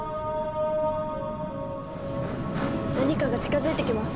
何かが近づいてきます。